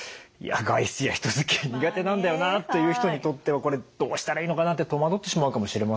外出や人づきあい苦手なんだよなという人にとってはこれどうしたらいいのかなって戸惑ってしまうかもしれませんよね。